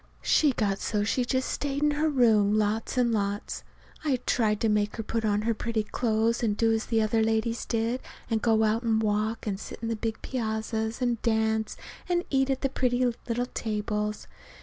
She got so she just stayed in her room lots and lots. I tried to make her put on her pretty clothes, and do as the other ladies did, and go out and walk and sit on the big piazzas, and dance, and eat at the pretty little tables.